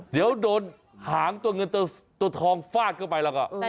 เดี๋ยวโดนหางตัวเงินตัวทองฟาดเข้าไปแล้วก็